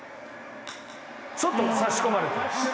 ちょっと差し込まれてる。